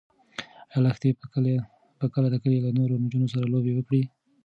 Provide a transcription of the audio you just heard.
ایا لښتې به کله د کلي له نورو نجونو سره لوبې وکړي؟